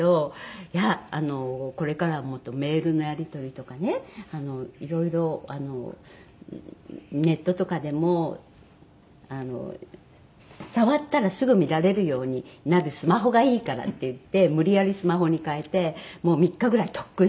「これからはもっとメールのやり取りとかねいろいろネットとかでも触ったらすぐ見られるようになるスマホがいいから」って言って無理やりスマホに替えてもう３日ぐらい特訓して。